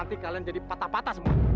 nanti kalian jadi patah patah semua